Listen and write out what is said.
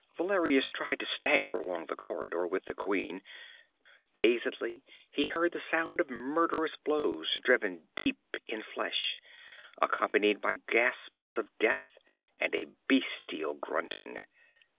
Valerius tried to stagger along the corridor with the queen; dazedly he heard the sound of murderous blows driven deep in flesh, accompanied by gasps of death and a bestial grunting.